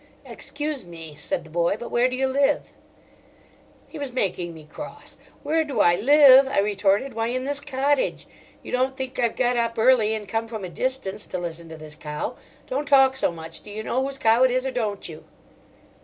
"Excuse me," said the boy, "but where do you live?" He was making me cross. "Where do I live?" I retorted. "Why, in this cottage. You don't think I've got up early and come from a distance to listen to this cow? Don't talk so much. Do you know whose cow it is, or don't you?"